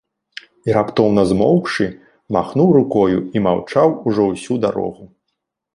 І раптоўна змоўкшы, махнуў рукою і маўчаў ужо ўсю дарогу.